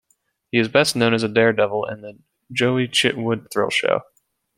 He is best known as a daredevil in the Joie Chitwood Thrill Show.